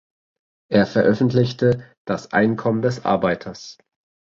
Er veröffentlichte „Das Einkommen des Arbeiters“.